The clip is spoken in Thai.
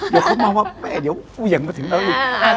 เดี๋ยวเวียงมาถึงแล้วอีก